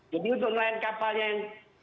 jadi untuk nelayan kapalnya yang